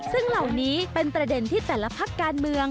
ซึ่งเหล่านี้เป็นประเด็นที่แต่ละพักการเมือง